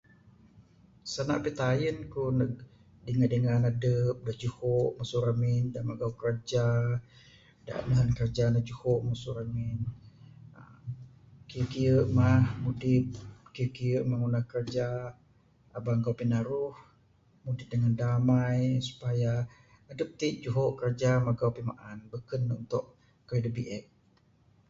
Sanda pitayun aku nug dingan dingan adup juho masu ramin da magau kiraja da nehen kiraja nuh juho masu ramin, uhh kiye kiye mah mudip kiye kiye mah ngunah kiraja aba magau pinaruh mudip dengan damai, supaya adup ti juho kiraja magau pimaan buken nuh untuk kayuh da biek.